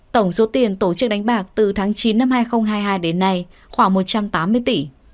tổng số tiền tổ chức đánh bạc từ tháng chín năm hai nghìn hai mươi hai đến nay khoảng một trăm tám mươi tỷ